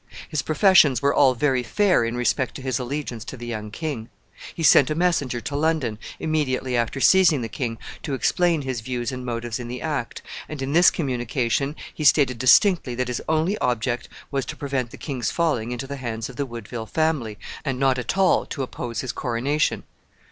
His professions were all very fair in respect to his allegiance to the young king. He sent a messenger to London, immediately after seizing the king, to explain his views and motives in the act, and in this communication he stated distinctly that his only object was to prevent the king's falling into the hands of the Woodville family, and not at all to oppose his coronation.